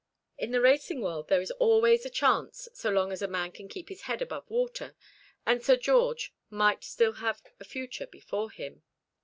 In the racing world there is always a chance so long as a man can keep his head above water; and Sir George might still have a future before him.